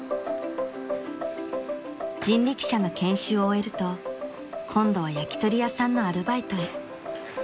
［人力車の研修を終えると今度は焼き鳥屋さんのアルバイトへ］